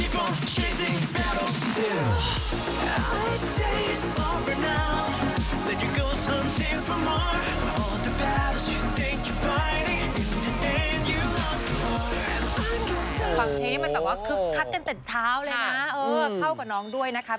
ฟังเพลงนี้มันแบบว่าคึกคักกันแต่เช้าเลยนะเข้ากับน้องด้วยนะคะ